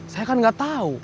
saya kan gak tau